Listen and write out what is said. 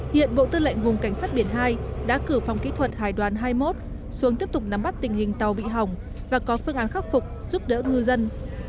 hiện bộ tư lệnh vùng cảnh sát biển hai đã cử phòng kỹ thuật hải đoàn hai mươi một xuống tiếp tục nắm bắt tình hình tàu bị hỏng và có phương án khắc phục giúp đỡ ngư dân